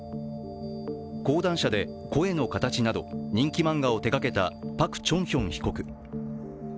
講談社で「聲の形」など人気漫画を手がけたパク・チョンヒョン被告。